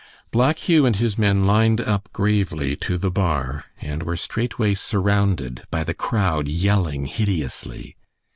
Black Hugh and his men lined up gravely to the bar and were straightway surrounded by the crowd yelling hideously.